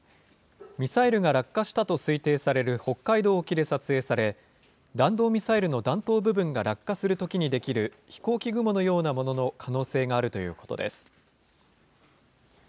ミサイルが落下したと推定される北海道沖で撮影され、弾道ミサイルの弾頭部分が落下するときに出来る、飛行機雲のようなものの可能性があるということです。